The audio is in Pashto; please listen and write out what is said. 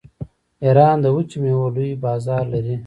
ایران د وچو میوو لوی بازار لري.